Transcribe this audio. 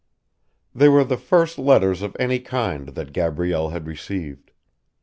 They were the first letters of any kind that Gabrielle had received.